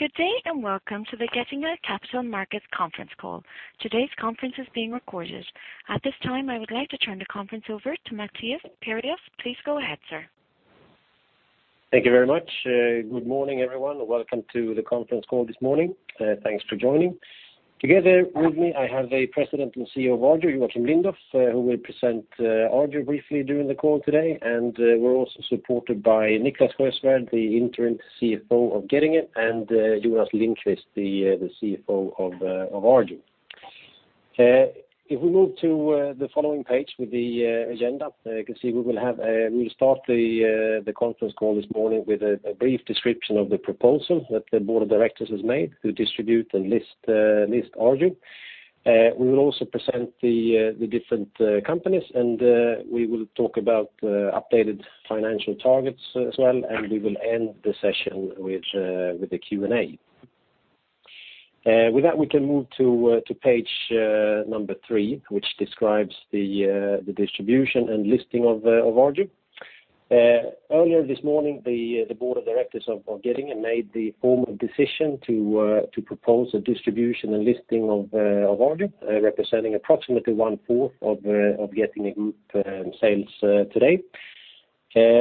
Good day, and welcome to the Getinge Capital Markets Conference Call. Today's conference is being recorded. At this time, I would like to turn the conference over to Mattias Perjos. Please go ahead, sir. Thank you very much. Good morning, everyone. Welcome to the conference call this morning. Thanks for joining. Together with me, I have the President and CEO of Arjo, Joacim Lindoff, who will present Arjo briefly during the call today, and we're also supported by Niclas Sjöswärd, the interim CFO of Getinge, and Jonas Lindqvist, the CFO of Arjo. If we move to the following page with the agenda, you can see we will have, we'll start the conference call this morning with a brief description of the proposal that the board of directors has made to distribute and list Arjo. We will also present the different companies, and we will talk about updated financial targets as well, and we will end the session with a Q&A. With that, we can move to page number three, which describes the distribution and listing of Arjo. Earlier this morning, the board of directors of Getinge made the formal decision to propose a distribution and listing of Arjo, representing approximately 1/4 of Getinge Group sales today.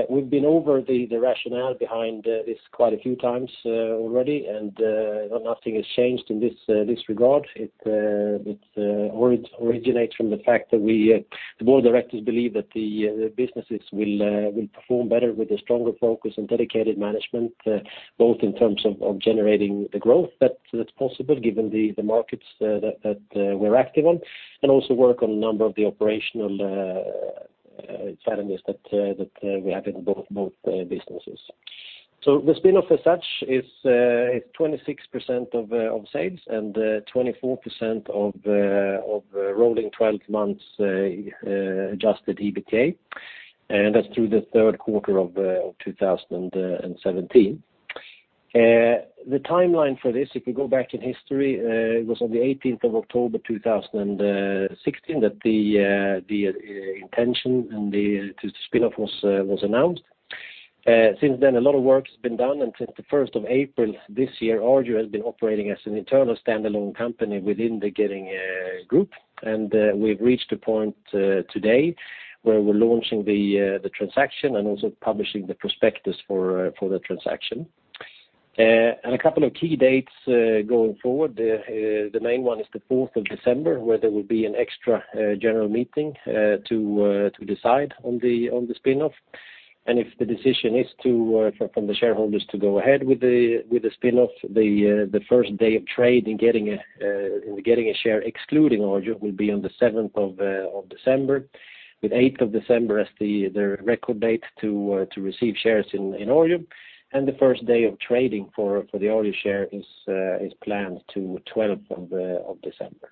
We've been over the rationale behind this quite a few times already, and nothing has changed in this regard. It originates from the fact that we the board of directors believe that the businesses will perform better with a stronger focus on dedicated management both in terms of generating the growth that's possible, given the markets that we're active on, and also work on a number of the operational challenges that we have in both businesses. So the spin-off as such is 26% of sales and 24% of rolling twelve months adjusted EBITDA, and that's through the third quarter of 2017. The timeline for this, if we go back in history, was on the eighteenth of October 2016 that the intention to the spin-off was announced. Since then, a lot of work has been done, and since the first of April this year, Arjo has been operating as an internal standalone company within the Getinge group. We've reached a point today where we're launching the transaction and also publishing the prospectus for the transaction. A couple of key dates going forward. The main one is the fourth of December, where there will be an extra general meeting to decide on the spin-off. If the decision is to from the shareholders to go ahead with the spin-off, the first day of trade in Getinge in the Getinge share, excluding Arjo, will be on the seventh of December, with eighth of December as the record date to receive shares in Arjo. The first day of trading for the Arjo share is planned to twelfth of December.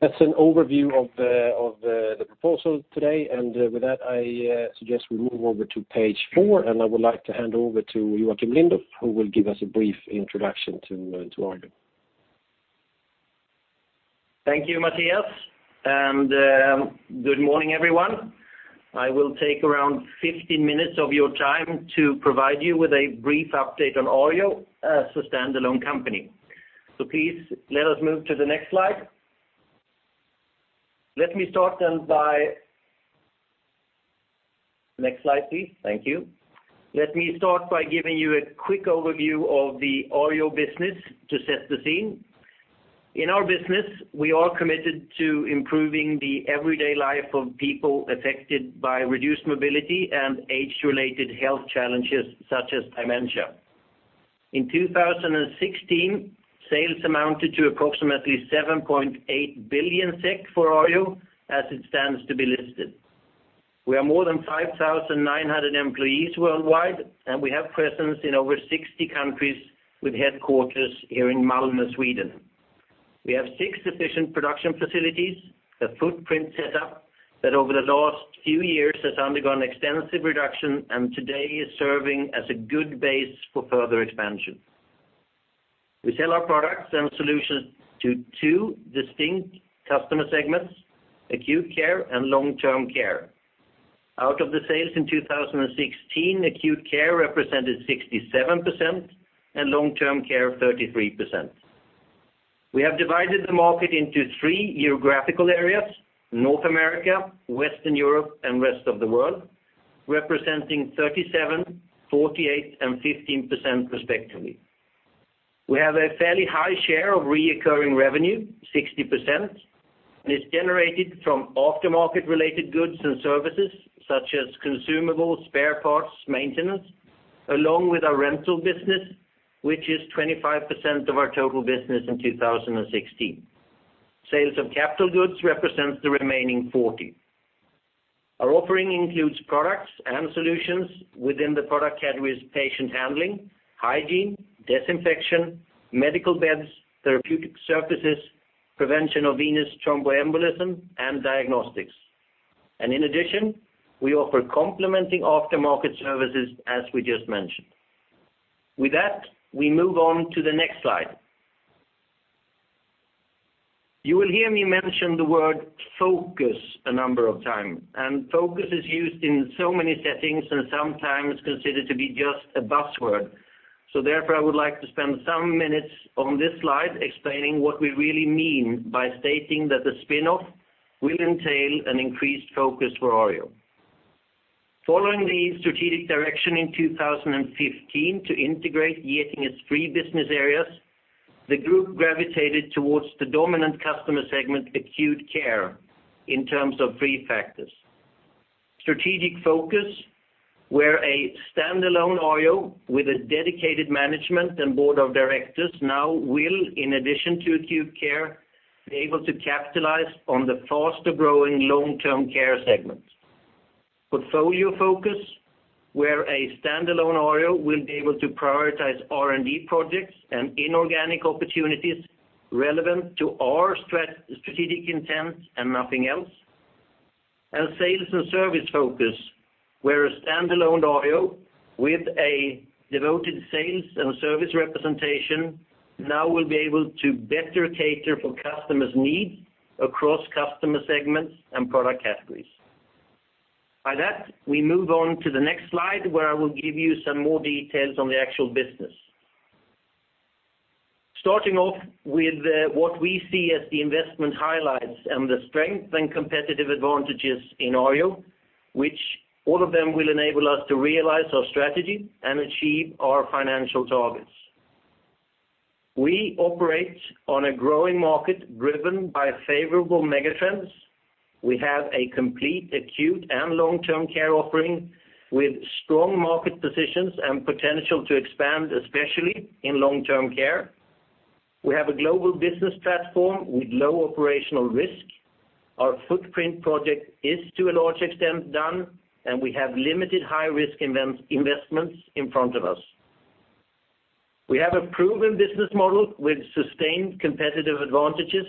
That's an overview of the proposal today, and with that, I suggest we move over to page four, and I would like to hand over to Joacim Lindoff, who will give us a brief introduction to Arjo. Thank you, Mattias, and good morning, everyone. I will take around 15 minutes of your time to provide you with a brief update on Arjo as a standalone company. Please let us move to the next slide. Let me start then by, Next slide, please. Thank you. Let me start by giving you a quick overview of the Arjo business to set the scene. In our business, we are committed to improving the everyday life of people affected by reduced mobility and age-related health challenges, such as dementia. In 2016, sales amounted to approximately 7.8 billion SEK for Arjo, as it stands to be listed. We are more than 5,900 employees worldwide, and we have presence in over 60 countries with headquarters here in Malmö, Sweden. We have six efficient production facilities, a footprint set up that over the last few years has undergone extensive reduction and today is serving as a good base for further expansion. We sell our products and solutions to two distinct customer segments: acute care and long-term care. Out of the sales in 2016, acute care represented 67% and long-term care, 33%. We have divided the market into three geographical areas: North America, Western Europe, and rest of the world, representing 37, 48, and 15% respectively. We have a fairly high share of recurring revenue, 60%, and it's generated from aftermarket related goods and services, such as consumables, spare parts, maintenance, along with our rental business, which is 25% of our total business in 2016. Sales of capital goods represents the remaining 40. Our offering includes products and solutions within the product categories, patient handling, hygiene, disinfection, medical beds, therapeutic surfaces, prevention of venous thromboembolism, and diagnostics. In addition, we offer complementing aftermarket services, as we just mentioned. With that, we move on to the next slide. You will hear me mention the word focus a number of times, and focus is used in so many settings and sometimes considered to be just a buzzword. So therefore, I would like to spend some minutes on this slide explaining what we really mean by stating that the spin-off will entail an increased focus for Arjo. Following the strategic direction in 2015 to integrate Getinge's three business areas, the group gravitated towards the dominant customer segment, acute care, in terms of three factors. Strategic focus, where a standalone Arjo with a dedicated management and board of directors now will, in addition to acute care, be able to capitalize on the faster-growing long-term care segment. Portfolio focus, where a standalone Arjo will be able to prioritize R&D projects and inorganic opportunities relevant to our strategic intent and nothing else. And sales and service focus, where a standalone Arjo with a devoted sales and service representation now will be able to better cater for customers' needs across customer segments and product categories. By that, we move on to the next slide, where I will give you some more details on the actual business. Starting off with what we see as the investment highlights and the strength and competitive advantages in Arjo, which all of them will enable us to realize our strategy and achieve our financial targets. We operate on a growing market driven by favorable mega trends. We have a complete, acute, and long-term care offering with strong market positions and potential to expand, especially in long-term care. We have a global business platform with low operational risk. Our footprint project is to a large extent done, and we have limited high-risk investments in front of us. We have a proven business model with sustained competitive advantages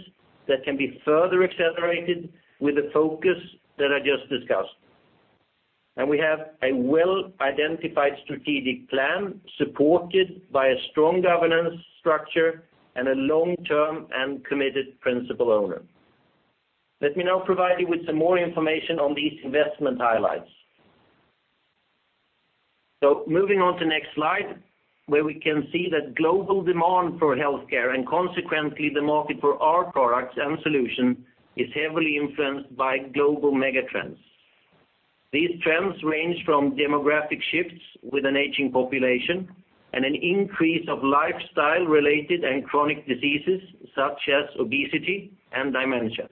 that can be further accelerated with the focus that I just discussed. We have a well-identified strategic plan, supported by a strong governance structure and a long-term and committed principal owner. Let me now provide you with some more information on these investment highlights. Moving on to next slide, where we can see that global demand for healthcare, and consequently, the market for our products and solution, is heavily influenced by global mega trends. These trends range from demographic shifts with an aging population and an increase of lifestyle-related and chronic diseases, such as obesity and dementia.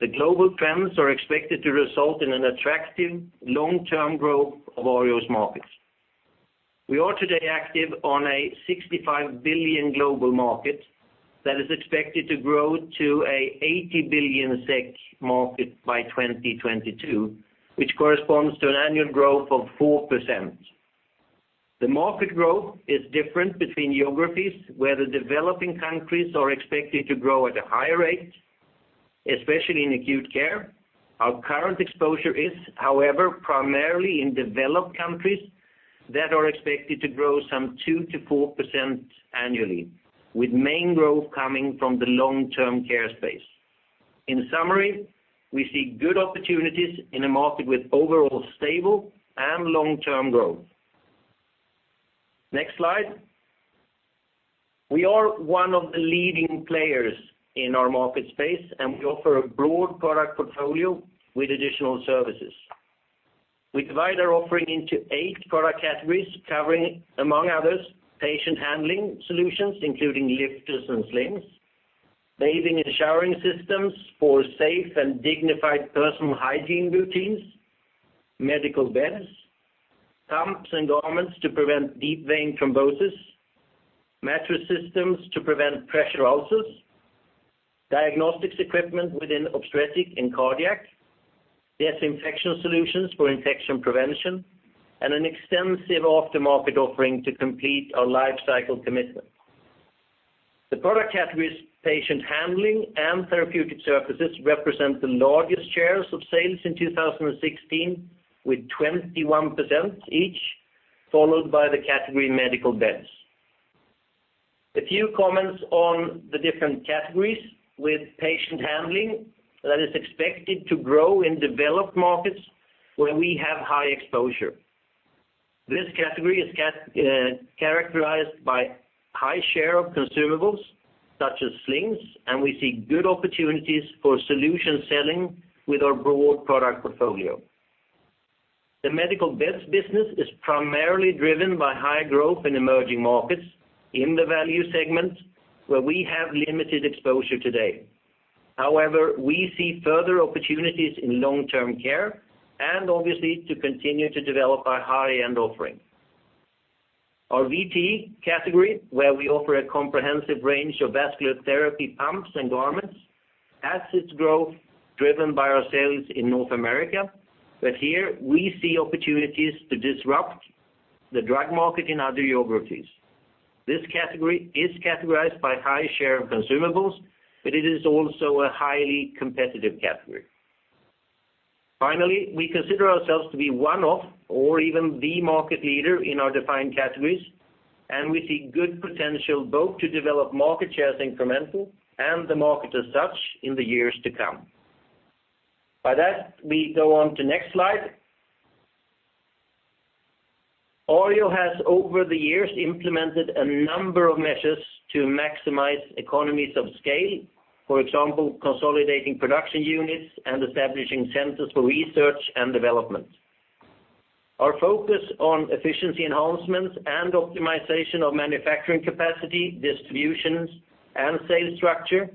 The global trends are expected to result in an attractive long-term growth of Arjo's markets. We are today active on a 65 billion global market that is expected to grow to a 80 billion SEK market by 2022, which corresponds to an annual growth of 4%. The market growth is different between geographies, where the developing countries are expected to grow at a higher rate, especially in acute care. Our current exposure is, however, primarily in developed countries that are expected to grow some 2%-4% annually, with main growth coming from the long-term care space. In summary, we see good opportunities in a market with overall stable and long-term growth. Next slide. We are one of the leading players in our market space, and we offer a broad product portfolio with additional services. We divide our offering into eight product categories, covering, among others, patient handling solutions, including lifters and slings, bathing and showering systems for safe and dignified personal hygiene routines, medical beds, pumps and garments to prevent deep vein thrombosis, mattress systems to prevent pressure ulcers, diagnostics equipment within obstetric and cardiac, disinfection solutions for infection prevention, and an extensive aftermarket offering to complete our lifecycle commitment. The product categories, patient handling and therapeutic surfaces, represent the largest shares of sales in 2016, with 21% each, followed by the category medical beds. A few comments on the different categories with patient handling that is expected to grow in developed markets where we have high exposure. This category is characterized by high share of consumables, such as slings, and we see good opportunities for solution selling with our broad product portfolio. The medical beds business is primarily driven by high growth in emerging markets in the value segment, where we have limited exposure today. However, we see further opportunities in long-term care and obviously to continue to develop our high-end offering. Our VT category, where we offer a comprehensive range of vascular therapy pumps and garments, has its growth driven by our sales in North America, but here we see opportunities to disrupt the drug market in other geographies. This category is categorized by high share of consumables, but it is also a highly competitive category. Finally, we consider ourselves to be one of, or even the market leader in our defined categories, and we see good potential both to develop market shares incremental and the market as such in the years to come. By that, we go on to next slide. Arjo has, over the years, implemented a number of measures to maximize economies of scale, for example, consolidating production units and establishing centers for research and development. Our focus on efficiency enhancements and optimization of manufacturing capacity, distributions, and sales structure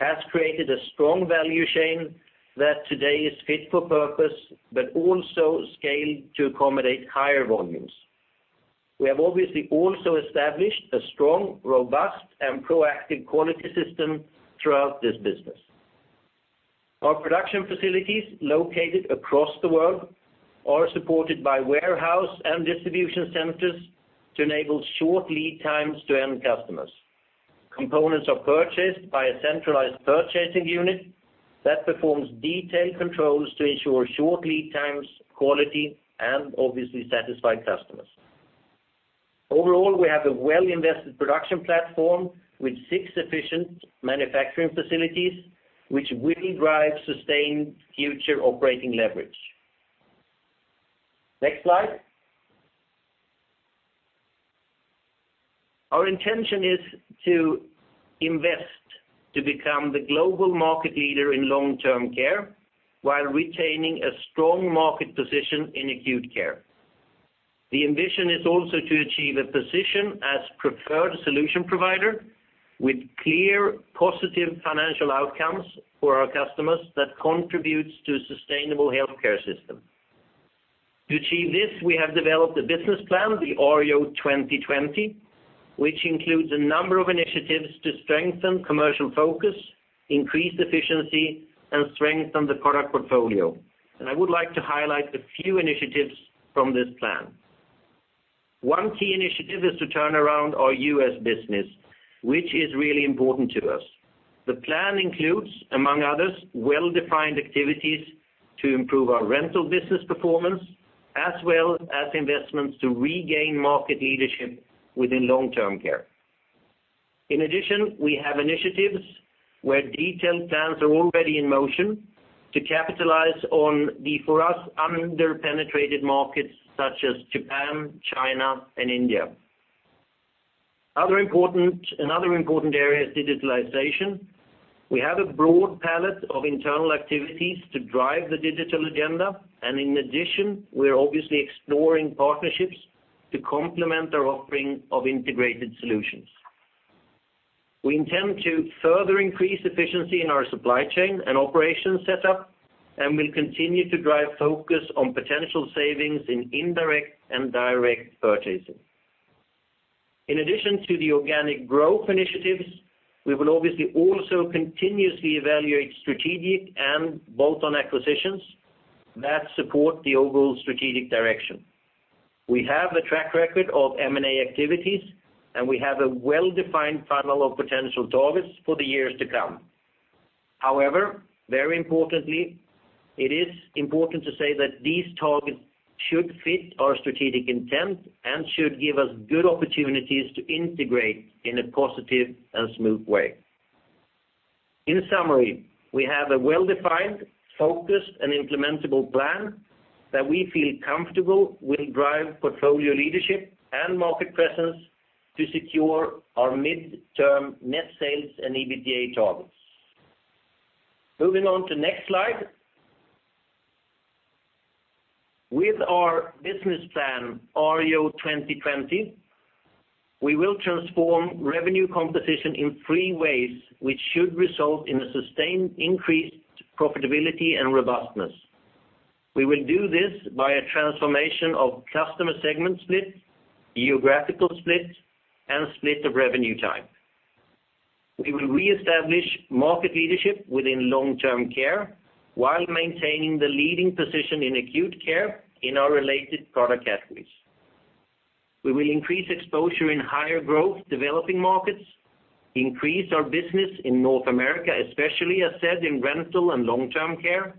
has created a strong value chain that today is fit for purpose, but also scaled to accommodate higher volumes. We have obviously also established a strong, robust, and proactive quality system throughout this business. Our production facilities located across the world are supported by warehouse and distribution centers to enable short lead times to end customers. Components are purchased by a centralized purchasing unit that performs detailed controls to ensure short lead times, quality, and obviously satisfied customers. Overall, we have a well-invested production platform with six efficient manufacturing facilities, which will drive sustained future operating leverage. Next slide. Our intention is to invest to become the global market leader in long-term care while retaining a strong market position in acute care. The ambition is also to achieve a position as preferred solution provider with clear, positive financial outcomes for our customers that contributes to sustainable healthcare system. To achieve this, we have developed a business plan, the Arjo 2020, which includes a number of initiatives to strengthen commercial focus, increase efficiency, and strengthen the product portfolio. I would like to highlight a few initiatives from this plan. One key initiative is to turn around our U.S. business, which is really important to us. The plan includes, among others, well-defined activities to improve our rental business performance, as well as investments to regain market leadership within long-term care. In addition, we have initiatives where detailed plans are already in motion to capitalize on the, for us, under-penetrated markets such as Japan, China, and India. Another important area is digitalization. We have a broad palette of internal activities to drive the digital agenda, and in addition, we are obviously exploring partnerships to complement our offering of integrated solutions. We intend to further increase efficiency in our supply chain and operation setup, and we'll continue to drive focus on potential savings in indirect and direct purchasing. In addition to the organic growth initiatives, we will obviously also continuously evaluate strategic and bolt-on acquisitions that support the overall strategic direction. We have a track record of M&A activities, and we have a well-defined funnel of potential targets for the years to come. However, very importantly, it is important to say that these targets should fit our strategic intent and should give us good opportunities to integrate in a positive and smooth way. In summary, we have a well-defined, focused, and implementable plan that we feel comfortable will drive portfolio leadership and market presence to secure our midterm net sales and EBITDA targets. Moving on to next slide. With our business plan, Arjo 2020, we will transform revenue composition in three ways, which should result in a sustained increased profitability and robustness. We will do this by a transformation of customer segment split, geographical split, and split of revenue type. We will reestablish market leadership within long-term care while maintaining the leading position in acute care in our related product categories. We will increase exposure in higher growth developing markets, increase our business in North America, especially as said, in rental and long-term care,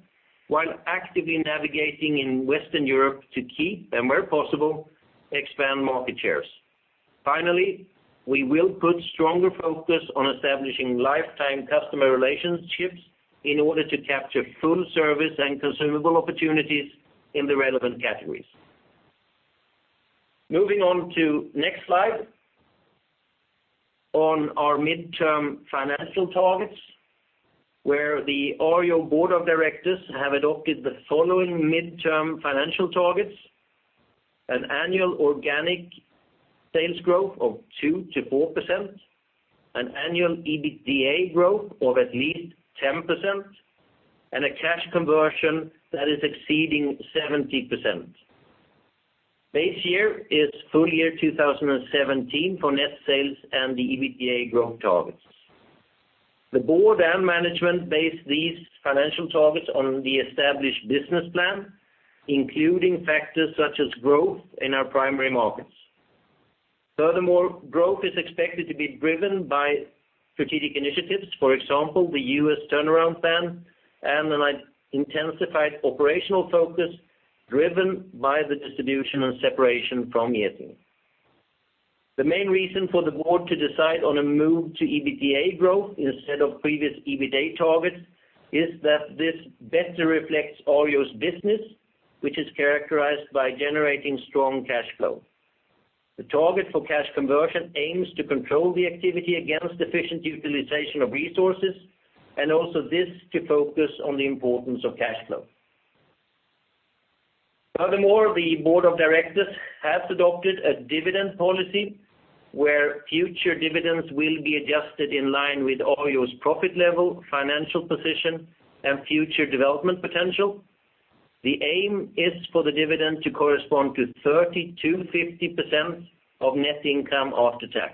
while actively navigating in Western Europe to keep, and where possible, expand market shares. Finally, we will put stronger focus on establishing lifetime customer relationships in order to capture full service and consumable opportunities in the relevant categories. Moving on to next slide. On our midterm financial targets, where the Arjo board of directors have adopted the following midterm financial targets: an annual organic sales growth of 2%-4%, an annual EBITDA growth of at least 10%, and a cash conversion that is exceeding 70%. Base year is full year 2017 for net sales and the EBITDA growth targets. The board and management base these financial targets on the established business plan, including factors such as growth in our primary markets. Furthermore, growth is expected to be driven by strategic initiatives, for example, the U.S. turnaround plan and an intensified operational focus, driven by the distribution and separation from Getinge. The main reason for the board to decide on a move to EBITDA growth instead of previous EBITDA targets, is that this better reflects Arjo's business, which is characterized by generating strong cash flow. The target for cash conversion aims to control the activity against efficient utilization of resources, and also this to focus on the importance of cash flow. Furthermore, the board of directors has adopted a dividend policy, where future dividends will be adjusted in line with Arjo's profit level, financial position, and future development potential. The aim is for the dividend to correspond to 30%-50% of net income after tax.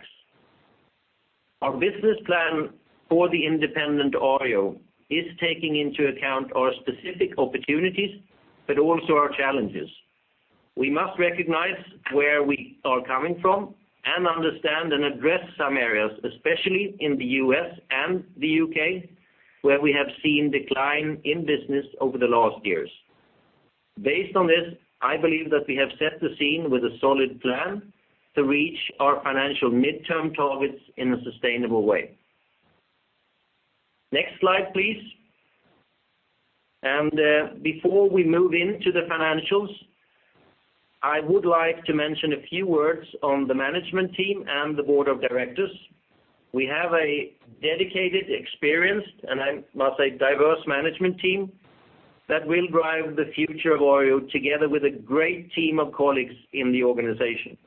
Our business plan for the independent Arjo is taking into account our specific opportunities, but also our challenges. We must recognize where we are coming from and understand and address some areas, especially in the U.S. and the U.K., where we have seen decline in business over the last years. Based on this, I believe that we have set the scene with a solid plan to reach our financial midterm targets in a sustainable way. Next slide, please. And, before we move into the financials, I would like to mention a few words on the management team and the board of directors. We have a dedicated, experienced, and I must say, diverse management team that will drive the future of Arjo, together with a great team of colleagues in the organization.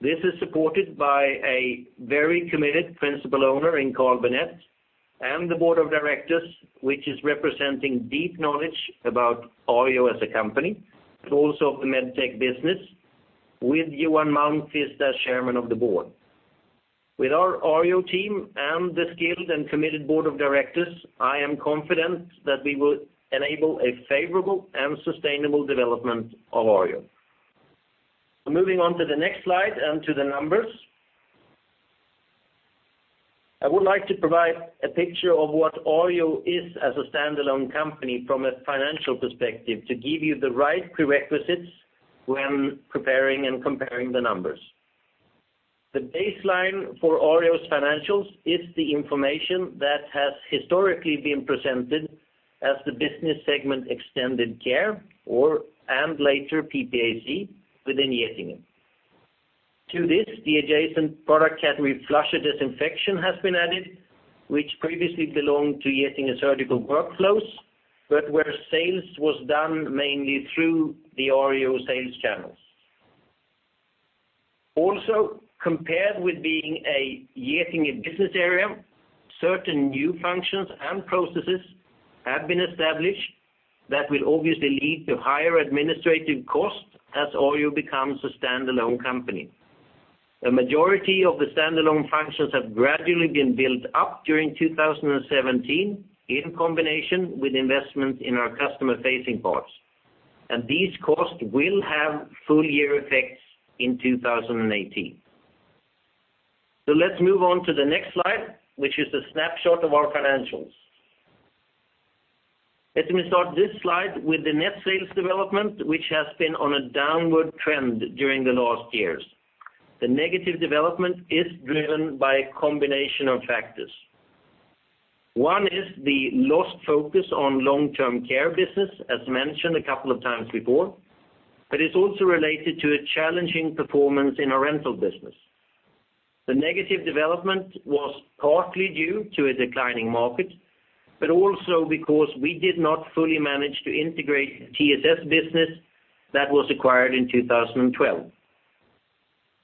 This is supported by a very committed principal owner in Carl Bennet, and the board of directors, which is representing deep knowledge about Arjo as a company, but also of the MedTech business, with Johan Malmquist as chairman of the board. With our Arjo team and the skilled and committed board of directors, I am confident that we will enable a favorable and sustainable development of Arjo. So moving on to the next slide, and to the numbers. I would like to provide a picture of what Arjo is as a standalone company from a financial perspective, to give you the right prerequisites when preparing and comparing the numbers. The baseline for Arjo's financials is the information that has historically been presented as the business segment Extended Care, or, and later, PPAC within Getinge. To this, the adjacent product category, flusher disinfection, has been added, which previously belonged to Getinge Surgical Workflows, but where sales was done mainly through the Arjo sales channels. Also, compared with being a Getinge business area, certain new functions and processes have been established that will obviously lead to higher administrative costs as Arjo becomes a standalone company. The majority of the standalone functions have gradually been built up during 2017, in combination with investment in our customer-facing parts, and these costs will have full year effects in 2018. So let's move on to the next slide, which is a snapshot of our financials. Let me start this slide with the net sales development, which has been on a downward trend during the last years. The negative development is driven by a combination of factors. One is the lost focus on long-term care business, as mentioned a couple of times before, but it's also related to a challenging performance in our rental business. The negative development was partly due to a declining market, but also because we did not fully manage to integrate the TSS business that was acquired in 2012.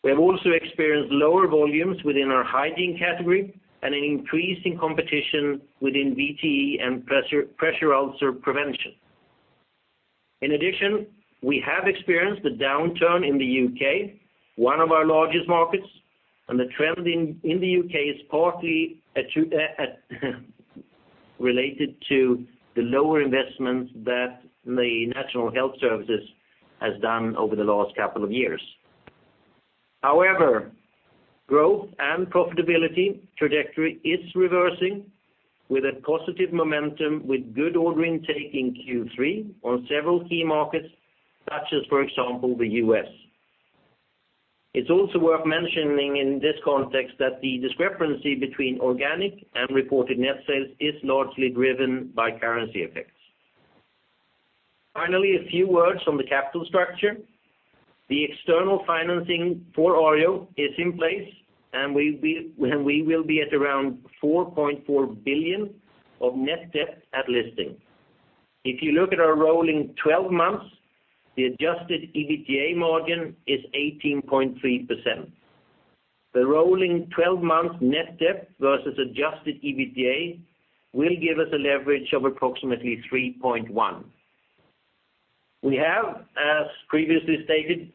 We have also experienced lower volumes within our hygiene category and an increase in competition within VTE and pressure ulcer prevention. In addition, we have experienced a downturn in the UK, one of our largest markets, and the trend in the UK is partly attributed to the lower investments that the National Health Service has done over the last couple of years. However, growth and profitability trajectory is reversing with a positive momentum, with good order intake in Q3 on several key markets, such as, for example, the US. It's also worth mentioning in this context, that the discrepancy between organic and reported net sales is largely driven by currency effects. Finally, a few words on the capital structure. The external financing for Arjo is in place, and we will be at around 4.4 billion of net debt at listing. If you look at our rolling 12 months, the adjusted EBITDA margin is 18.3%. The rolling 12 months net debt versus adjusted EBITDA will give us a leverage of approximately 3.1. We have, as previously stated,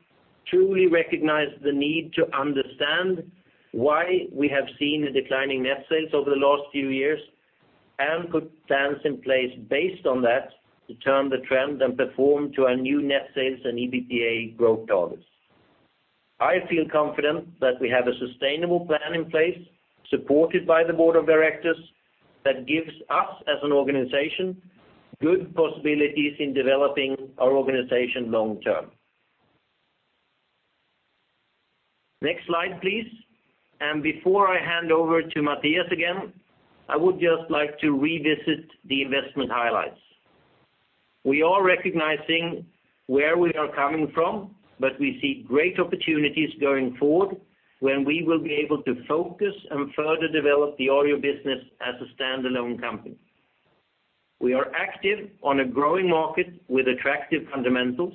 truly recognized the need to understand why we have seen a declining net sales over the last few years. We put plans in place based on that to turn the trend and perform to our new net sales and EBITDA growth targets. I feel confident that we have a sustainable plan in place, supported by the board of directors, that gives us, as an organization, good possibilities in developing our organization long term. Next slide, please. Before I hand over to Mattias again, I would just like to revisit the investment highlights. We are recognizing where we are coming from, but we see great opportunities going forward when we will be able to focus and further develop the Arjo business as a standalone company. We are active on a growing market with attractive fundamentals.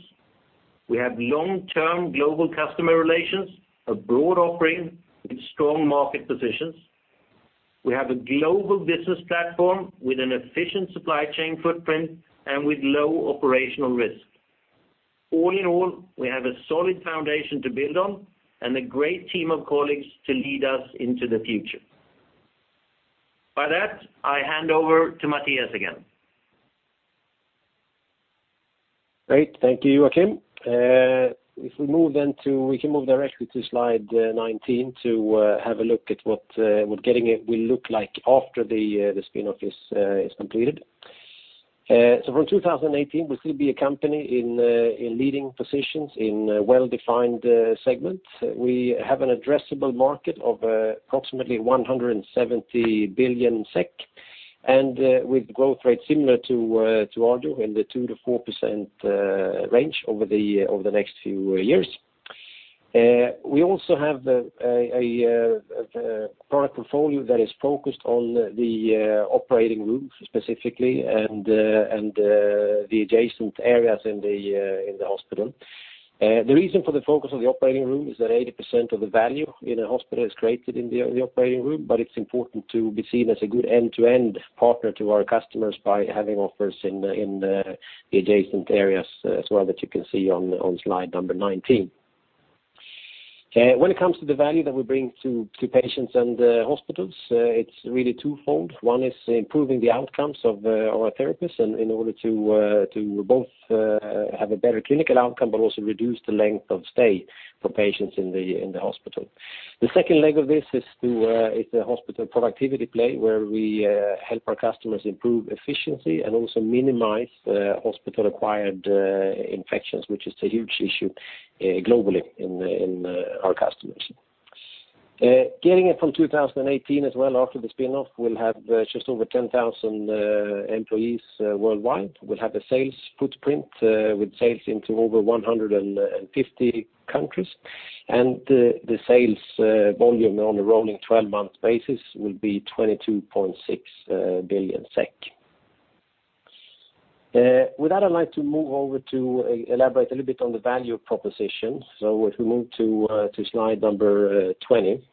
We have long-term global customer relations, a broad offering with strong market positions. We have a global business platform with an efficient supply chain footprint and with low operational risk. All in all, we have a solid foundation to build on and a great team of colleagues to lead us into the future. By that, I hand over to Mattias again. Great, thank you, Joacim. If we move then to, we can move directly to slide 19 to have a look at what Getinge will look like after the spin-off is completed. So from 2018, we'll still be a company in leading positions in well-defined segments. We have an addressable market of approximately 170 billion SEK, and with growth rate similar to Arjo in the 2%-4% range over the next few years. We also have a product portfolio that is focused on the operating rooms specifically and the adjacent areas in the hospital. The reason for the focus on the operating room is that 80% of the value in a hospital is created in the operating room, but it's important to be seen as a good end-to-end partner to our customers by having offers in the adjacent areas as well, that you can see on slide number 19. When it comes to the value that we bring to patients and hospitals, it's really twofold. One is improving the outcomes of our therapists and in order to both have a better clinical outcome, but also reduce the length of stay for patients in the hospital. The second leg of this is to is the hospital productivity play, where we help our customers improve efficiency and also minimize hospital-acquired infections, which is a huge issue globally in our customers. Getinge from 2018 as well, after the spin-off, we'll have just over 10,000 employees worldwide. We'll have a sales footprint with sales into over 150 countries, and the sales volume on a rolling twelve-month basis will be 22.6 billion SEK. With that, I'd like to move over to elaborate a little bit on the value proposition. So if we move to slide number 20,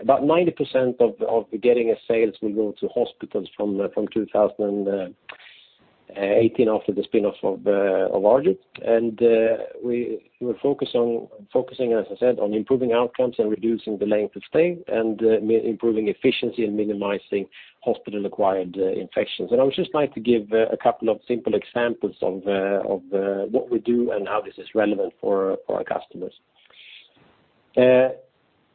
about 90% of the Getinge sales will go to hospitals from 2018 after the spin-off of Arjo. We focus on focusing, as I said, on improving outcomes and reducing the length of stay and improving efficiency and minimizing hospital-acquired infections. I would just like to give a couple of simple examples of what we do and how this is relevant for our customers.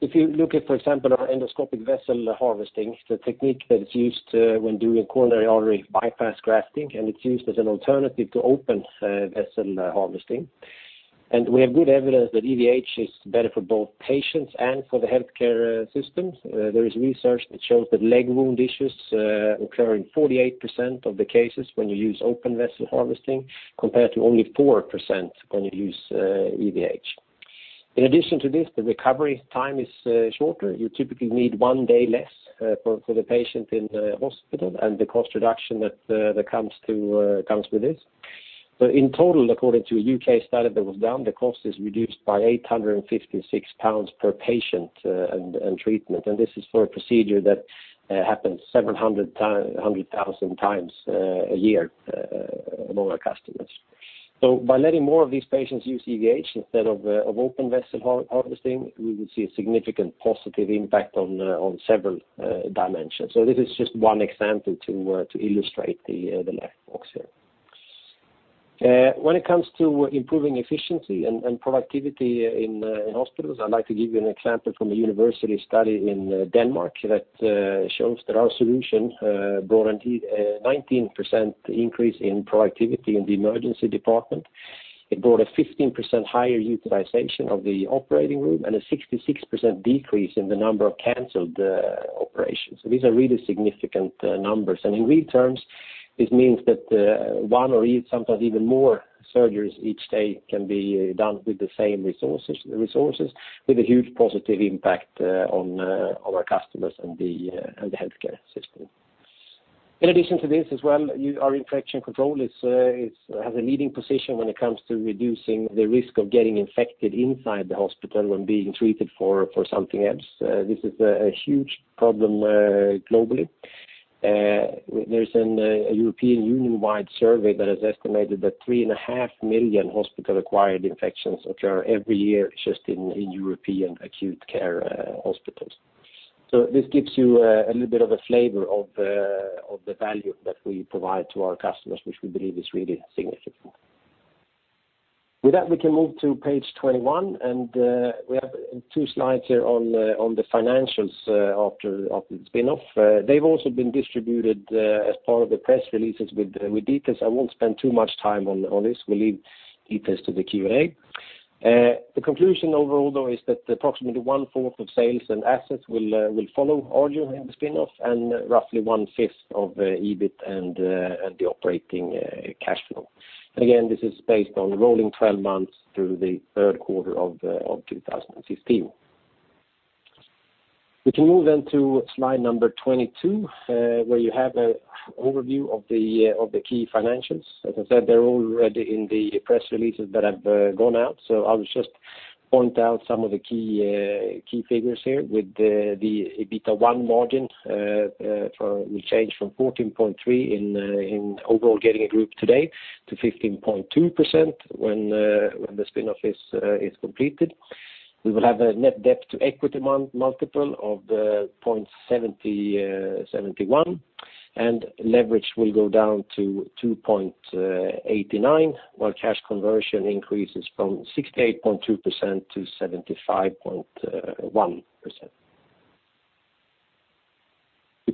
If you look at, for example, our endoscopic vessel harvesting, the technique that is used when doing a coronary artery bypass grafting, and it's used as an alternative to open vessel harvesting. We have good evidence that EVH is better for both patients and for the healthcare systems. There is research that shows that leg wound issues occur in 48% of the cases when you use open vessel harvesting, compared to only 4% when you use EVH. In addition to this, the recovery time is shorter. You typically need one day less for the patient in the hospital, and the cost reduction that comes with this. But in total, according to a UK study that was done, the cost is reduced by 856 pounds per patient and treatment, and this is for a procedure that happens several hundred thousand times a year among our customers. So by letting more of these patients use EVH instead of open vessel harvesting, we would see a significant positive impact on several dimensions. So this is just one example to illustrate the left box here. When it comes to improving efficiency and productivity in hospitals, I'd like to give you an example from a university study in Denmark that shows that our solution brought a 19% increase in productivity in the emergency department. It brought a 15% higher utilization of the operating room and a 66% decrease in the number of canceled operations. So these are really significant numbers. And in real terms, this means that one or even sometimes more surgeries each day can be done with the same resources with a huge positive impact on our customers and the healthcare system. In addition to this as well, our infection control is has a leading position when it comes to reducing the risk of getting infected inside the hospital when being treated for something else. This is a huge problem globally. There's a European Union-wide survey that has estimated that 3.5 million hospital-acquired infections occur every year just in European acute care hospitals. So this gives you a little bit of a flavor of the value that we provide to our customers, which we believe is really significant. With that, we can move to page 21, and we have two slides here on the financials after the spin-off. They've also been distributed as part of the press releases with details. I won't spend too much time on, on this. We'll leave details to the Q&A. The conclusion overall, though, is that approximately 1/4 of sales and assets will follow Getinge in the spin-off, and roughly 1/5 of the EBIT and the operating cash flow. Again, this is based on rolling 12 months through the third quarter of 2015. We can move then to slide number 22, where you have an overview of the key financials. As I said, they're all already in the press releases that have gone out, so I'll just point out some of the key figures here with the EBITDA margin. We change from 14.3% in overall Getinge Group today to 15.2% when the spin-off is completed. We will have a net debt-to-equity multiple of 0.71, and leverage will go down to 2.89, while cash conversion increases from 68.2% to 75.1%.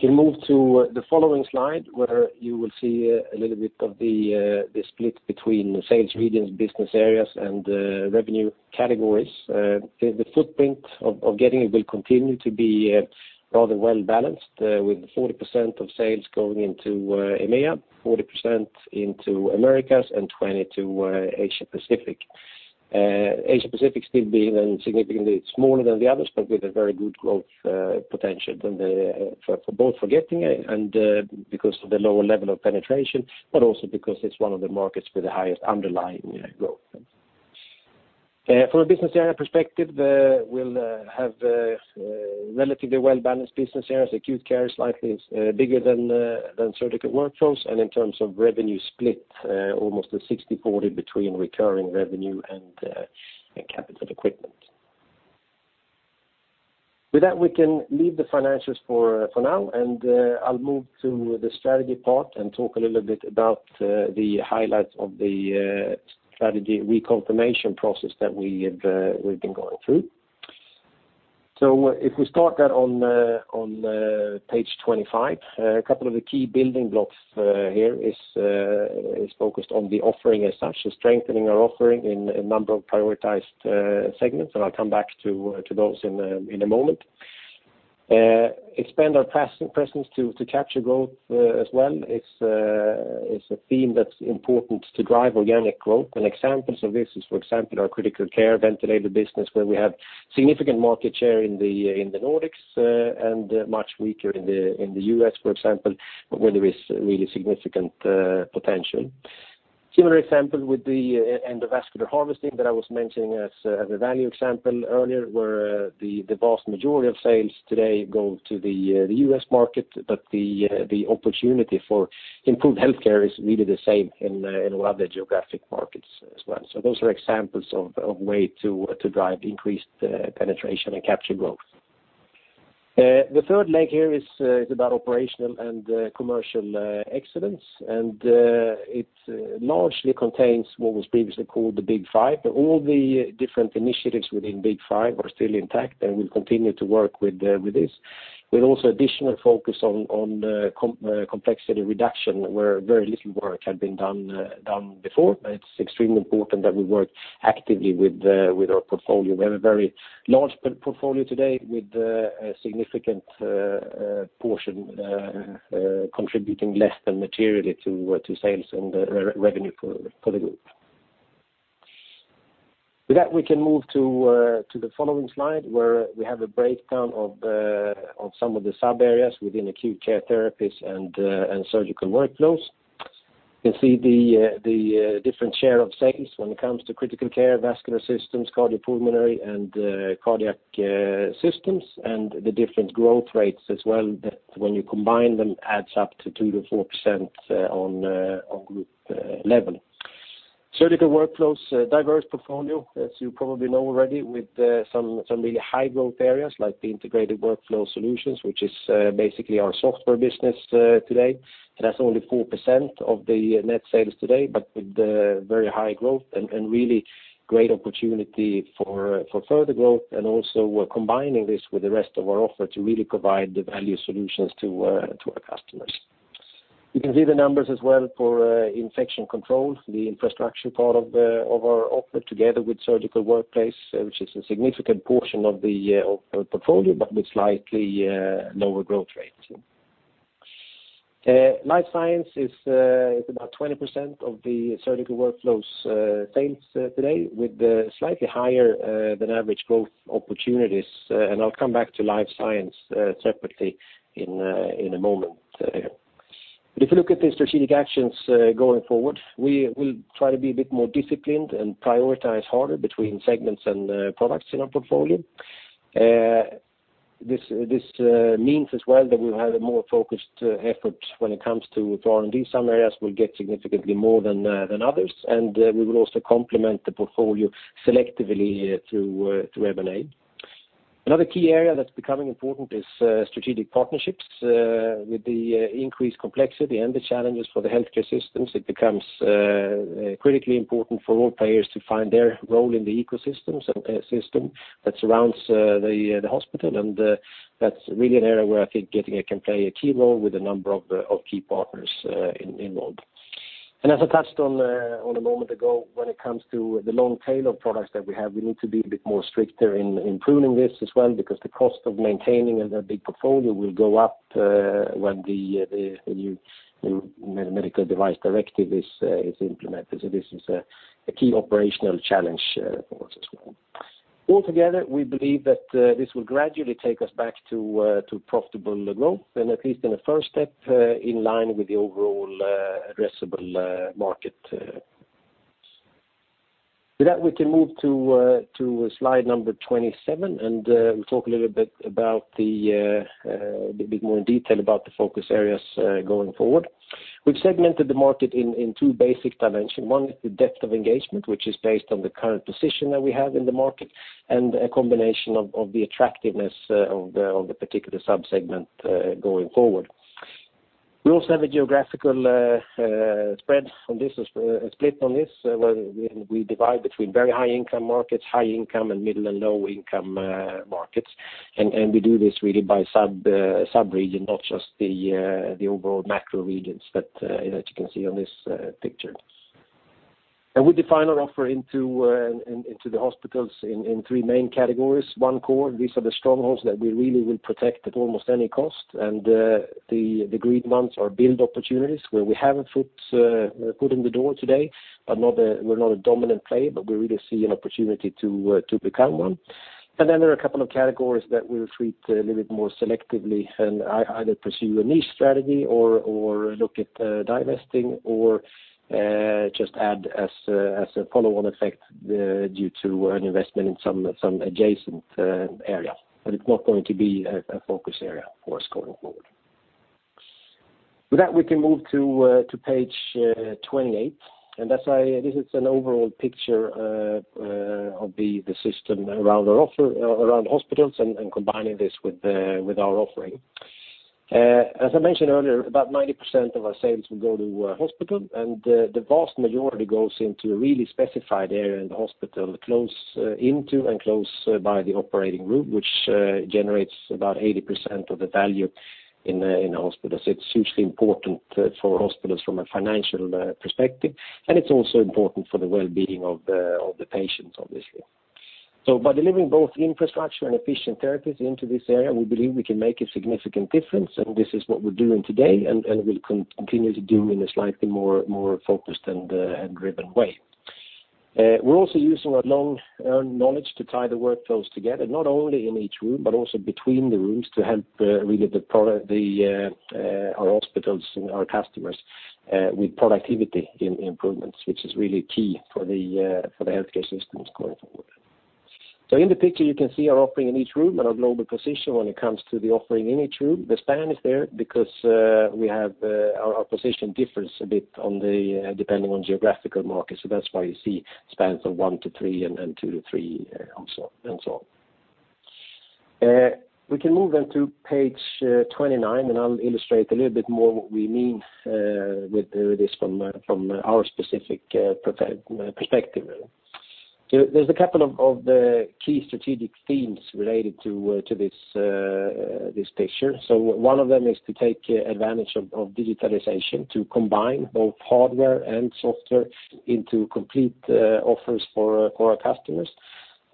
We can move to the following slide, where you will see a little bit of the split between sales regions, business areas, and revenue categories. The footprint of Getinge will continue to be rather well-balanced with 40% of sales going into EMEA, 40% into Americas, and 20% to Asia Pacific. Asia Pacific still being significantly smaller than the others, but with a very good growth potential than the for both Getinge and because of the lower level of penetration, but also because it's one of the markets with the highest underlying growth. From a business area perspective, we'll have relatively well-balanced business areas. Acute Care is slightly bigger than Surgical Workflows, and in terms of revenue split, almost a 60/40 between recurring revenue and capital equipment. With that, we can leave the financials for now, and I'll move to the strategy part and talk a little bit about the highlights of the strategy reconfirmation process that we've been going through. So if we start that on page 25, a couple of the key building blocks here is focused on the offering as such, strengthening our offering in a number of prioritized segments, and I'll come back to those in a moment. Expand our presence to capture growth as well. It's, it's a theme that's important to drive organic growth, and examples of this is, for example, our critical care ventilator business, where we have significant market share in the, in the Nordics, and much weaker in the, in the U.S., for example, where there is really significant, potential. Similar example with the endoscopic vessel harvesting that I was mentioning as, as a value example earlier, where, the, the vast majority of sales today go to the, the U.S. market, but the, the opportunity for improved healthcare is really the same in, in other geographic markets as well. So those are examples of, of way to, to drive increased, penetration and capture growth. The third leg here is, is about operational and, commercial, excellence, and, it largely contains what was previously called the Big Five. All the different initiatives within Big Five are still intact, and we'll continue to work with this. We'll also additional focus on complexity reduction, where very little work had been done before, but it's extremely important that we work actively with our portfolio. We have a very large portfolio today with a significant portion contributing less than materially to sales and revenue for the group. With that, we can move to the following slide, where we have a breakdown of some of the sub-areas within Acute Care Therapies and surgical workflows. You can see the different share of sales when it comes to critical care, vascular systems, cardiopulmonary, and cardiac systems, and the different growth rates as well, that when you combine them, adds up to 2%-4% on group level. Surgical workflows, a diverse portfolio, as you probably know already, with some really high-growth areas, like the integrated workflow solutions, which is basically our software business today. That's only 4% of the net sales today, but with very high growth and really great opportunity for further growth, and also we're combining this with the rest of our offer to really provide the value solutions to our customers. You can see the numbers as well for Infection Control, the infrastructure part of our offer, together with Surgical Workflows, which is a significant portion of the portfolio, but with slightly lower growth rates. Life Science is about 20% of the Surgical Workflows sales today, with slightly higher than average growth opportunities, and I'll come back to Life Science separately in a moment. But if you look at the strategic actions going forward, we will try to be a bit more disciplined and prioritize harder between segments and products in our portfolio. This means as well that we'll have a more focused effort when it comes to R&D. Some areas will get significantly more than others, and we will also complement the portfolio selectively through M&A. Another key area that's becoming important is strategic partnerships with the increased complexity and the challenges for the healthcare systems. It becomes critically important for all players to find their role in the ecosystem that surrounds the hospital. And that's really an area where I think Getinge can play a key role with a number of key partners in world. As I touched on a moment ago, when it comes to the long tail of products that we have, we need to be a bit more stricter in pruning this as well, because the cost of maintaining a big portfolio will go up when the new Medical Device Directive is implemented. So this is a key operational challenge for us as well. Altogether, we believe that this will gradually take us back to profitable growth, and at least in the first step, in line with the overall addressable market. With that, we can move to slide number 27, and we talk a little bit about a bit more in detail about the focus areas going forward. We've segmented the market in two basic dimensions. One is the depth of engagement, which is based on the current position that we have in the market, and a combination of the attractiveness of the particular sub-segment going forward. We also have a geographical spread on this split on this, where we divide between very high income markets, high income, and middle and low income markets. And we do this really by sub-region, not just the overall macro regions, but as you can see on this picture. And we define our offer into the hospitals in three main categories. Our core, these are the strongholds that we really will protect at almost any cost, and the green ones are build opportunities where we have a foot in the door today, but we're not a dominant player, but we really see an opportunity to become one. And then there are a couple of categories that we will treat a little bit more selectively and either pursue a niche strategy or look at divesting or just add as a follow-on effect due to an investment in some adjacent area. But it's not going to be a focus area for us going forward. With that, we can move to page 28. That's why this is an overall picture of the system around our offer, around hospitals and combining this with our offering. As I mentioned earlier, about 90% of our sales will go to hospital, and the vast majority goes into a really specified area in the hospital, close into and close by the operating room, which generates about 80% of the value in the hospital. So it's hugely important for hospitals from a financial perspective, and it's also important for the well-being of the patients, obviously. So by delivering both infrastructure and efficient therapies into this area, we believe we can make a significant difference, and this is what we're doing today, and we'll continue to do in a slightly more focused and driven way. We're also using our long-earned knowledge to tie the workflows together, not only in each room, but also between the rooms to help really our hospitals and our customers with productivity improvements, which is really key for the healthcare systems going forward. So in the picture, you can see our offering in each room and our global position when it comes to the offering in each room. The span is there because we have our position differs a bit depending on geographical markets, so that's why you see spans of 1-3 and 2-3, and so on, and so on. We can move on to page 29, and I'll illustrate a little bit more what we mean with this from our specific perspective. There are a couple of key strategic themes related to this picture. So one of them is to take advantage of digitalization, to combine both hardware and software into complete offers for our customers,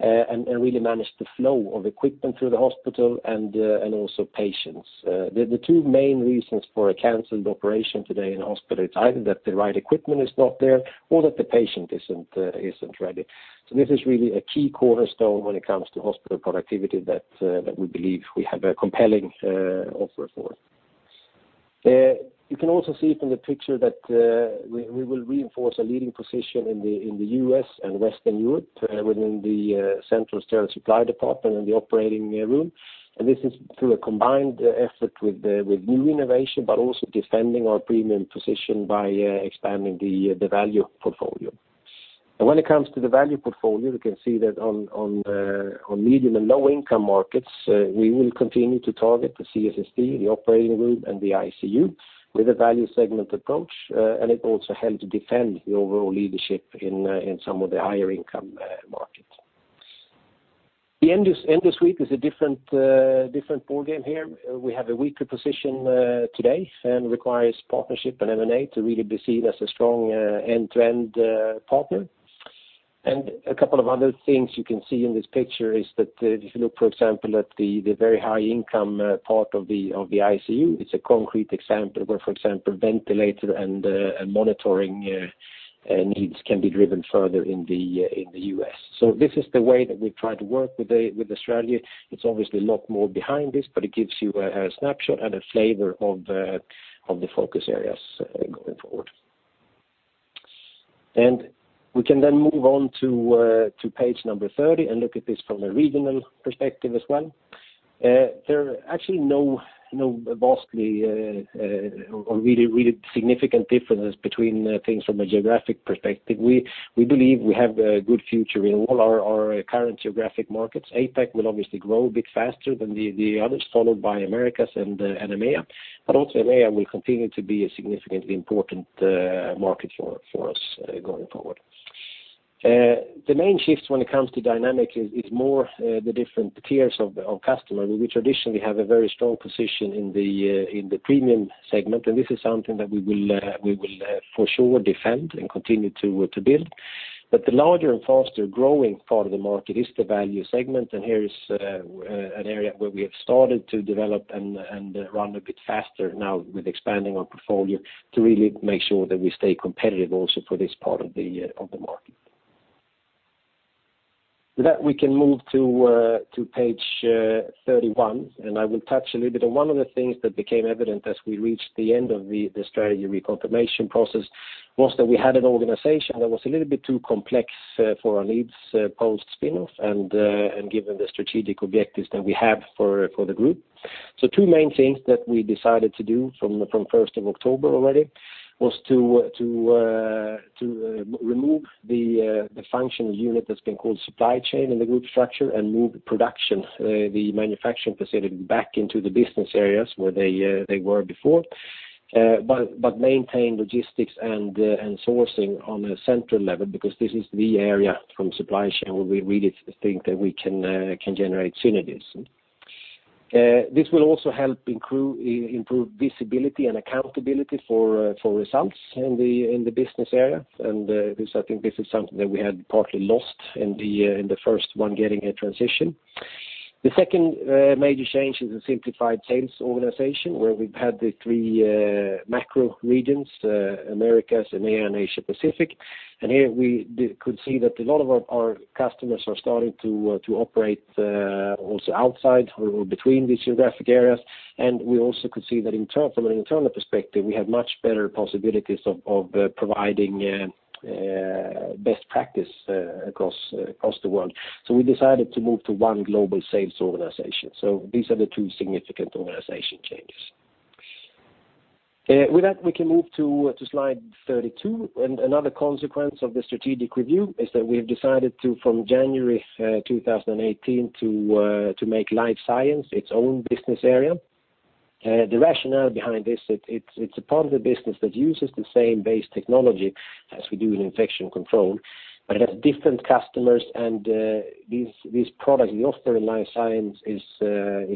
and really manage the flow of equipment through the hospital and also patients. The two main reasons for a canceled operation today in hospital, it's either that the right equipment is not there or that the patient isn't ready. So this is really a key cornerstone when it comes to hospital productivity that we believe we have a compelling offer for. You can also see from the picture that we will reinforce a leading position in the U.S. and Western Europe within the Central Sterile Supply Department and the operating room. And this is through a combined effort with new innovation, but also defending our premium position by expanding the value portfolio. And when it comes to the value portfolio, you can see that on medium and low-income markets, we will continue to target the CSSD, the operating room, and the ICU with a value segment approach, and it also help to defend the overall leadership in some of the higher income markets. Endo suite is a different ballgame here. We have a weaker position today, and requires partnership and M&A to really be seen as a strong end-to-end partner. A couple of other things you can see in this picture is that, if you look, for example, at the very high income part of the ICU, it's a concrete example where, for example, ventilator and monitoring needs can be driven further in the U.S. This is the way that we try to work with Australia. It's obviously a lot more behind this, but it gives you a snapshot and a flavor of the focus areas going forward. We can then move on to page number 30 and look at this from a regional perspective as well. There are actually no vastly or really significant differences between things from a geographic perspective. We believe we have a good future in all our current geographic markets. APAC will obviously grow a bit faster than the others, followed by Americas and EMEA. But also EMEA will continue to be a significantly important market for us, going forward. The main shifts when it comes to dynamic is more the different tiers of customer. We traditionally have a very strong position in the premium segment, and this is something that we will for sure defend and continue to build. But the larger and faster-growing part of the market is the value segment, and here is an area where we have started to develop and run a bit faster now with expanding our portfolio to really make sure that we stay competitive also for this part of the market. With that, we can move to page 31, and I will touch a little bit on one of the things that became evident as we reached the end of the strategy reconfirmation process was that we had an organization that was a little bit too complex for our needs post-spin-off, and given the strategic objectives that we have for the group. So two main things that we decided to do from first of October already was to remove the functional unit that's been called supply chain in the group structure and move production the manufacturing facility back into the business areas where they were before. But maintain logistics and sourcing on a central level, because this is the area from supply chain where we really think that we can generate synergies. This will also help improve visibility and accountability for results in the business area, and this, I think, is something that we had partly lost in the first one, getting a transition. The second major change is a simplified sales organization, where we've had the 3 macro regions, Americas, EMEA, and Asia Pacific. And here we could see that a lot of our customers are starting to operate also outside or between these geographic areas. And we also could see that internal, from an internal perspective, we have much better possibilities of providing best practice across the world. So we decided to move to one global sales organization. So these are the two significant organization changes. With that, we can move to slide 32. And another consequence of the strategic review is that we have decided to, from January 2018, to make life science its own business area. The rationale behind this, it's a part of the business that uses the same base technology as we do in infection control, but it has different customers, and these products we offer in life science is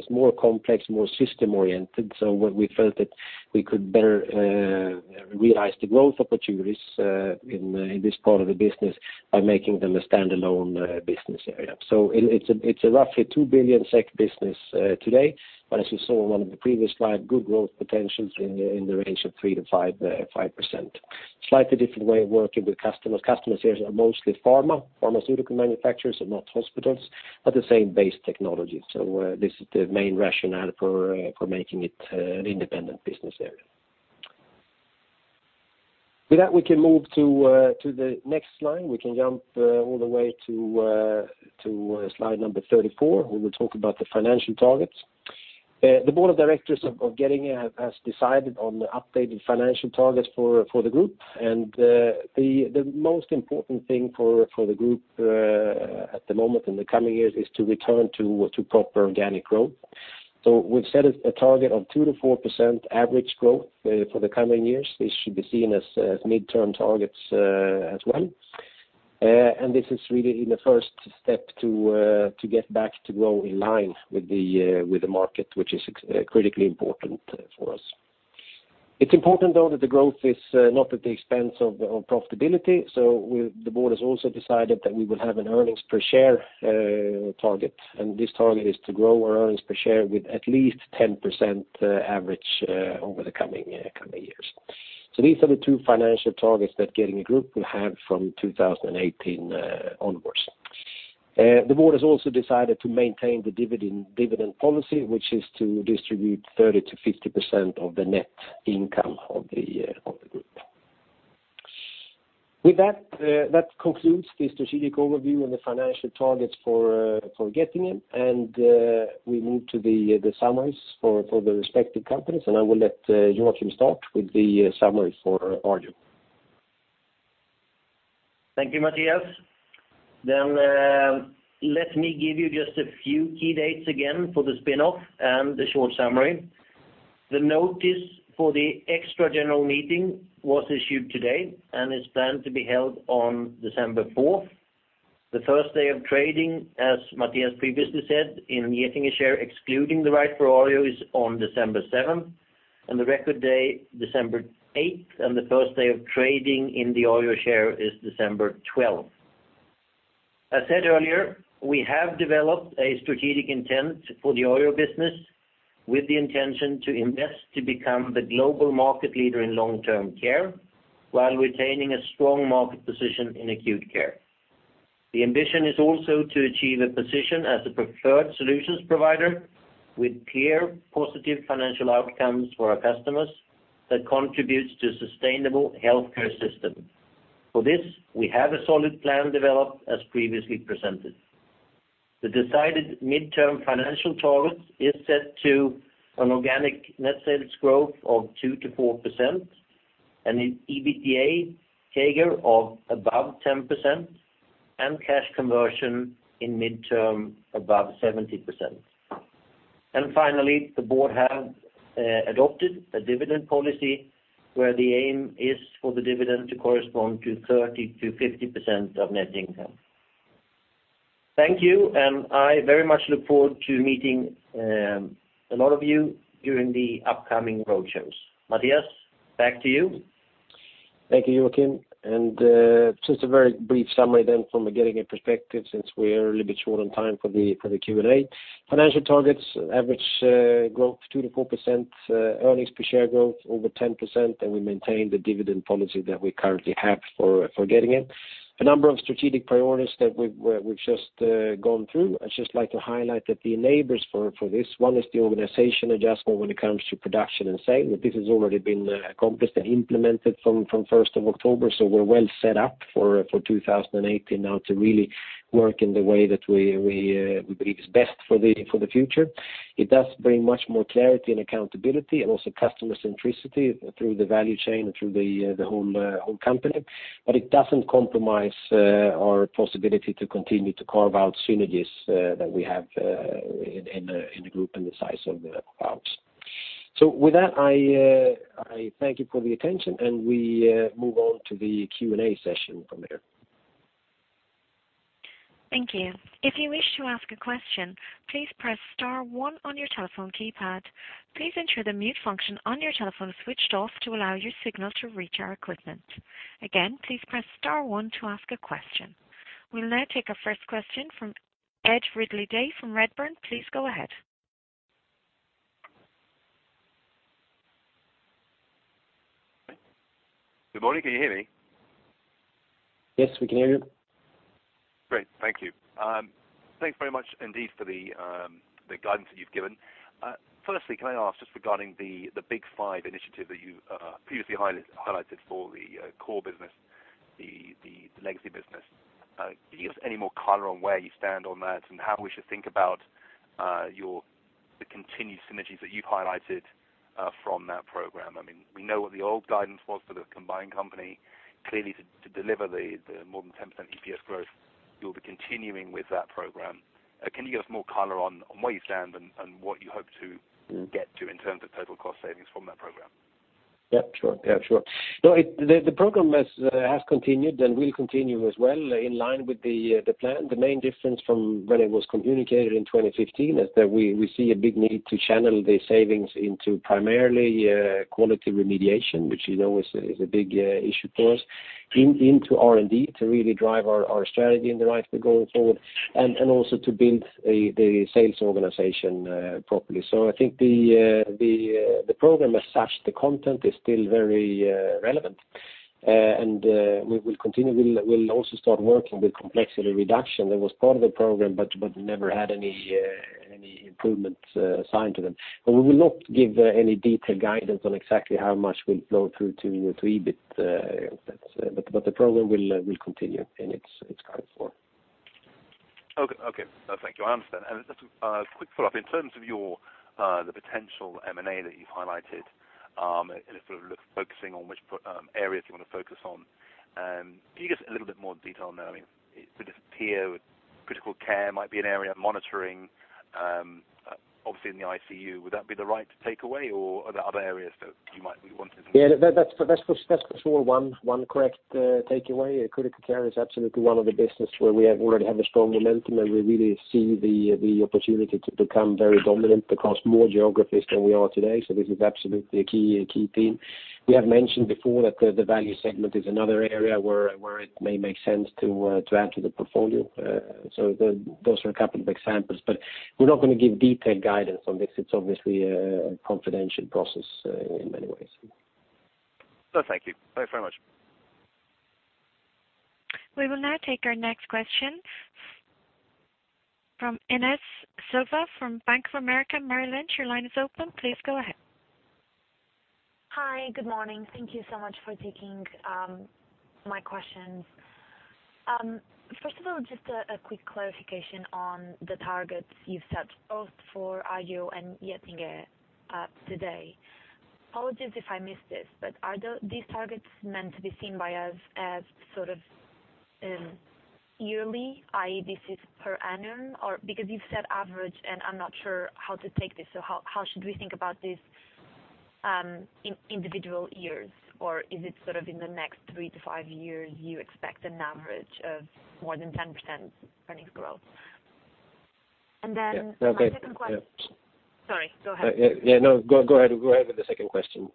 more complex, more system-oriented. So what we felt that we could better realize the growth opportunities in this part of the business by making them a standalone business area. So it's a roughly 2 billion SEK business today, but as you saw on one of the previous slide, good growth potentials in the range of 3%-5%. Slightly different way of working with customers. Customers here are mostly pharma, pharmaceutical manufacturers and not hospitals, but the same base technology. So, this is the main rationale for making it an independent business area. With that, we can move to the next slide. We can jump all the way to slide number 34, where we'll talk about the financial targets. The board of directors of Getinge has decided on the updated financial targets for the group. The most important thing for the group at the moment in the coming years is to return to proper organic growth. So we've set a target of 2%-4% average growth for the coming years. This should be seen as midterm targets as well. And this is really in the first step to, to get back to grow in line with the, with the market, which is critically important, for us. It's important, though, that the growth is, not at the expense of, of profitability, so we-- the board has also decided that we will have an earnings per share, target, and this target is to grow our earnings per share with at least 10%, average, over the coming, coming years. So these are the two financial targets that Getinge Group will have from 2018, onwards. The board has also decided to maintain the dividend, dividend policy, which is to distribute 30%-50% of the net income of the, of the group. With that, that concludes the strategic overview and the financial targets for Getinge, and we move to the summaries for the respective companies, and I will let Joacim start with the summary for Arjo. Thank you, Mattias. Then, let me give you just a few key dates again for the spin-off and the short summary. The notice for the extra general meeting was issued today, and is planned to be held on December 4th. The first day of trading, as Mattias previously said, in Getinge share, excluding the right for Arjo, is on December 7th, and the record day, December 8th, and the first day of trading in the Arjo share is December 12th. As said earlier, we have developed a strategic intent for the Arjo business with the intention to invest to become the global market leader in long-term care, while retaining a strong market position in acute care. The ambition is also to achieve a position as a preferred solutions provider with clear, positive financial outcomes for our customers that contributes to sustainable healthcare system. For this, we have a solid plan developed as previously presented. The decided midterm financial target is set to an organic net sales growth of 2%-4%, and an EBITDA CAGR of above 10%, and cash conversion in midterm above 70%. And finally, the board have adopted a dividend policy, where the aim is for the dividend to correspond to 30%-50% of net income. Thank you, and I very much look forward to meeting a lot of you during the upcoming roadshows. Mattias, back to you. Thank you, Joacim. And just a very brief summary then from Getinge perspective, since we're a little bit short on time for the Q&A. Financial targets, average growth 2%-4%, earnings per share growth over 10%, and we maintain the dividend policy that we currently have for Getinge. A number of strategic priorities that we've just gone through. I'd just like to highlight that the enablers for this one is the organization adjustment when it comes to production and sale. This has already been accomplished and implemented from the first of October, so we're well set up for 2018 now to really work in the way that we believe is best for the future. It does bring much more clarity and accountability and also customer centricity through the value chain and through the whole company. But it doesn't compromise our possibility to continue to carve out synergies that we have in the group and the size of the groups. So with that, I thank you for the attention, and we move on to the Q&A session from here. Thank you. If you wish to ask a question, please press star one on your telephone keypad. Please ensure the mute function on your telephone is switched off to allow your signal to reach our equipment. Again, please press star one to ask a question. We'll now take our first question from Ed Ridley-Day from Redburn. Please go ahead. Good morning. Can you hear me? Yes, we can hear you. Great, thank you. Thanks very much indeed for the guidance that you've given. Firstly, can I ask, just regarding the Big Five initiative that you previously highlighted for the core business, the legacy business, can you give us any more color on where you stand on that, and how we should think about the continued synergies that you've highlighted from that program? I mean, we know what the old guidance was for the combined company. Clearly, to deliver the more than 10% EPS growth, you'll be continuing with that program. Can you give us more color on where you stand and what you hope to get to in terms of total cost savings from that program? Yeah, sure. Yeah, sure. No, it, the program has continued and will continue as well, in line with the plan. The main difference from when it was communicated in 2015 is that we see a big need to channel the savings into primarily quality remediation, which is always a big issue for us. Into R&D, to really drive our strategy in the right way going forward, and also to build the sales organization properly. So I think the program as such, the content is still very relevant. And we will continue. We'll also start working with complexity reduction. That was part of the program, but never had any improvements assigned to them. But we will not give any detailed guidance on exactly how much we'll flow through to EBIT, but the program will continue in its current form. Okay. Okay, thank you. I understand. And just a quick follow-up: In terms of your, the potential M&A that you've highlighted, and sort of focusing on which areas you want to focus on, can you give us a little bit more detail on that? I mean, could it appear Critical Care might be an area, monitoring, obviously in the ICU. Would that be the right takeaway, or are there other areas that you might be wanting to- Yeah, that's for sure one correct takeaway. Critical Care is absolutely one of the business where we have already a strong momentum, and we really see the opportunity to become very dominant across more geographies than we are today, so this is absolutely a key theme. We have mentioned before that the Value segment is another area where it may make sense to add to the portfolio. So those are a couple of examples, but we're not going to give detailed guidance on this. It's obviously a confidential process in many ways. Thank you. Thanks very much. We will now take our next question from Inês Silva, from Bank of America Merrill Lynch. Your line is open. Please go ahead. Hi, good morning. Thank you so much for taking my questions. First of all, just a quick clarification on the targets you've set, both for Arjo and Getinge, today. Apologies if I missed this, but are these targets meant to be seen by us as sort of yearly, i.e., this is per annum? Or because you've said average, and I'm not sure how to take this, so how should we think about this in individual years? Or is it sort of in the next 3-5 years, you expect an average of more than 10% earnings growth? And then- Yeah, okay my second question. Sorry, go ahead. Yeah, no, go, go ahead. Go ahead with the second question.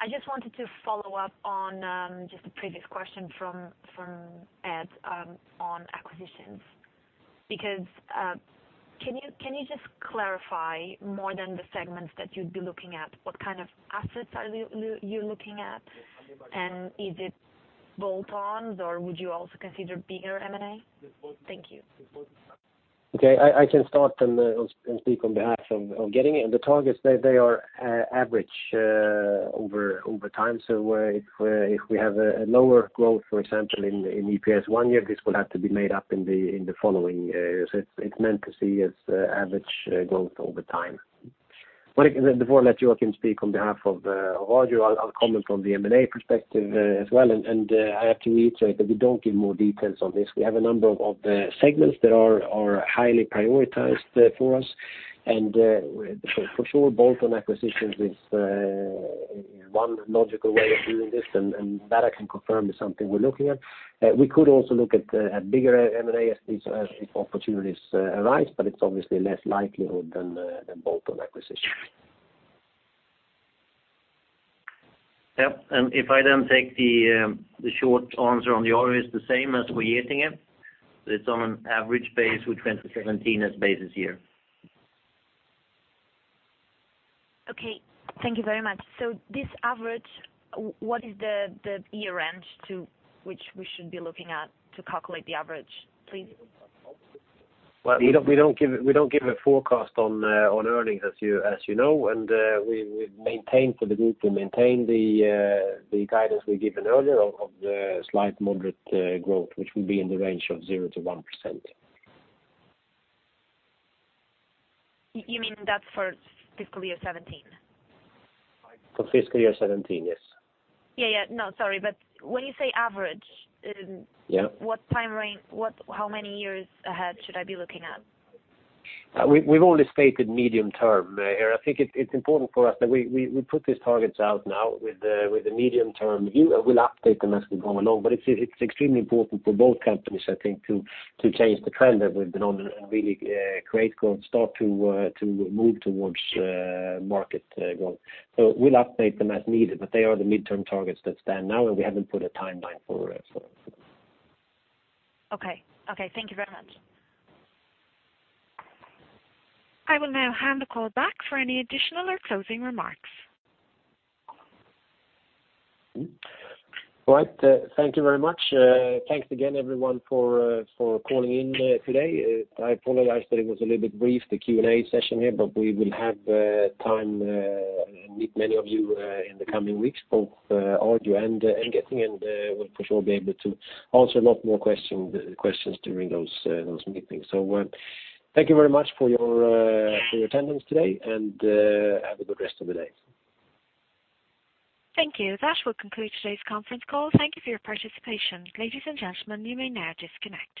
I just wanted to follow up on just the previous question from Ed on acquisitions. Because can you just clarify more than the segments that you'd be looking at, what kind of assets are you looking at? And is it bolt-ons, or would you also consider bigger M&A? Thank you. Okay, I can start and speak on behalf of Getinge. The targets, they are average over time. So if we have a lower growth, for example, in EPS one year, this will have to be made up in the following years. It's meant to be seen as average growth over time. But before I let Joacim speak on behalf of Arjo, I'll comment on the M&A perspective as well. And I have to reiterate that we don't give more details on this. We have a number of segments that are highly prioritized for us. And so for sure, bolt-on acquisitions is one logical way of doing this, and that I can confirm is something we're looking at. We could also look at bigger M&As if these opportunities arise, but it's obviously less likelihood than bolt-on acquisition. Yep. And if I then take the, the short answer on the Arjo is the same as for Getinge. It's on an average base with 2017 as basis year. Okay. Thank you very much. So this average, what is the year range to which we should be looking at to calculate the average, please? Well, we don't, we don't give, we don't give a forecast on, on earnings, as you, as you know, and, we've maintained for the group to maintain the, the guidance we've given earlier of, the slight moderate, growth, which will be in the range of 0%-1%. You mean that's for fiscal year 2017? For fiscal year 2017, yes. Yeah, yeah. No, sorry, but when you say average, Yeah. What time range- What, how many years ahead should I be looking at? We've only stated medium term here. I think it's important for us that we put these targets out now with the medium term view. We'll update them as we go along, but it's extremely important for both companies, I think, to change the trend that we've been on a really great growth start to move towards market growth. So we'll update them as needed, but they are the midterm targets that stand now, and we haven't put a timeline for it, so. Okay. Okay, thank you very much. I will now hand the call back for any additional or closing remarks. All right, thank you very much. Thanks again, everyone, for calling in today. I apologize that it was a little bit brief, the Q&A session here, but we will have time to meet many of you in the coming weeks, both Arjo and Getinge, and we'll for sure be able to answer a lot more question, questions during those meetings. So, thank you very much for your attendance today, and have a good rest of the day. Thank you. That will conclude today's conference call. Thank you for your participation. Ladies and gentlemen, you may now disconnect.